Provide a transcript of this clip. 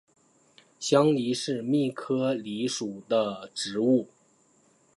香藜是苋科藜属的植物。